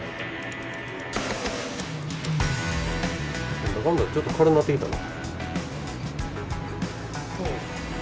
なんだかんだちょっと軽なってきたな。